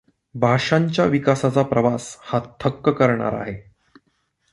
भाषांच्या विकासाचा प्रवास हा थक्क करणारा आहे.